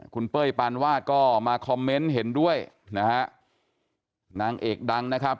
คุณเป้ยปานวาดก็มาคอมเมนต์เห็นด้วยนะฮะนางเอกดังนะครับ